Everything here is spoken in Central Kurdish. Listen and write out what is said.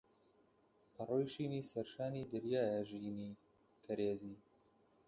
پەڕۆی شینی سەرشانی دەریایە ژینی کەرێزی